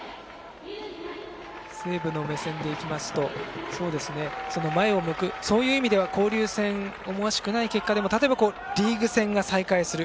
西武の目線でいきますと前を向く、そういう意味では交流戦、思わしくない結果でも例えば、リーグ戦が再開する。